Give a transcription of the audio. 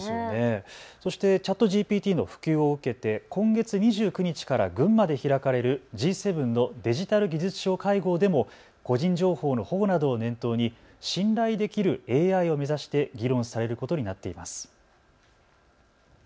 そしてＣｈａｔＧＰＴの普及を受けて今月２９日から群馬で開かれるＧ７のデジタル・技術相会合でも個人情報の保護などを念頭に信頼できるＡＩを目指して議論されることになっています。